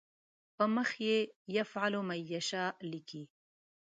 په مخ کې یفل من یشاء لیکي.